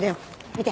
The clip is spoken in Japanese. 見て！